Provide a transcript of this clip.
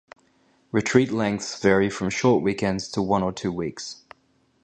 Retreat lengths vary from short weekends to one or two weeks.